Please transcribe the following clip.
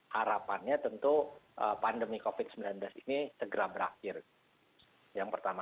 harapannya tentu pandemi covid sembilan belas ini segera berakhir yang pertama